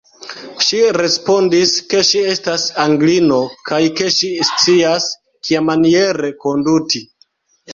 Ŝi respondis, ke ŝi estas Anglino, kaj ke ŝi scias, kiamaniere konduti.